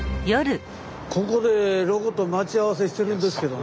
ここでロコと待ち合わせしてるんですけどね。